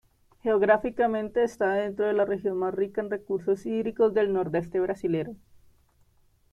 Geográficamente está dentro de la región más rica en recursos hídricos del Nordeste Brasilero.